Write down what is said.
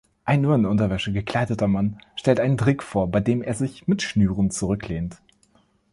Ein nur in Unterwäsche gekleideter Mann stellt einen Trick vor, bei dem er sich mit Schnüren zurücklehnt.